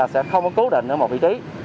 sẽ không có cố định ở một vị trí